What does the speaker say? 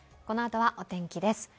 このあとはお天気です